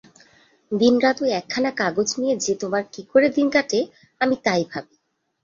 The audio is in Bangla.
দিনরাত ঐ একখানা কাগজ নিয়ে যে তোমার কী করে কাটে, আমি তাই ভাবি।